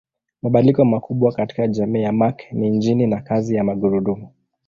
Mabadiliko makubwa katika jamii ya Mark ni injini na kazi ya magurudumu.